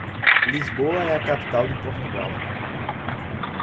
Lisboa é a capital de Portugal.